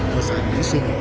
hồ sơ nghỉ sinh